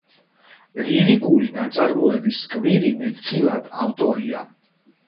ლირიკული ნაწარმოების გმირი მეტწილად ავტორია.